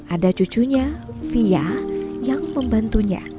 ada cucunya fia yang membantunya